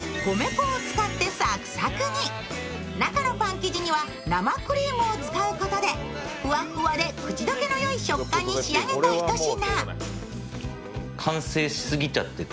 外側のクッキー生地は米粉を使ってサクサクに中のパン生地には生クリームを使うことでふわふわで口溶けのいい食感に仕上げたひと品。